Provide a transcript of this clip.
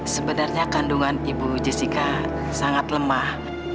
sebenarnya kandungan ibu jessica sangat lemah